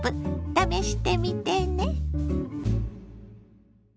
試してみてね。